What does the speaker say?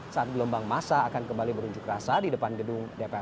saat gelombang masa akan kembali berunjuk rasa di depan gedung dpr